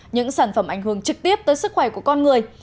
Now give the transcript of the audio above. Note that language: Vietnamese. những sản phẩm ảnh hưởng trực tiếp tới sức khỏe của con người